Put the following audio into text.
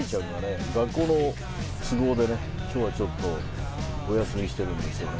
学校の都合でね今日はちょっとお休みしてるんですよね。